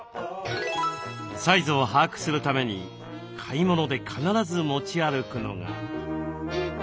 サイズを把握するために買い物で必ず持ち歩くのが。